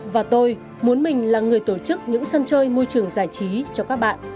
và tôi muốn mình là người tổ chức những sân chơi môi trường giải trí cho các bạn